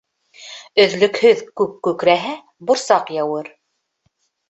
Өҙлөкһөҙ күк күкрәһә, борсаҡ яуыр.